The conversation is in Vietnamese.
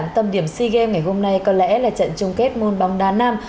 tâm điểm sea games ngày hôm nay có lẽ là trận chung kết môn bóng đá nam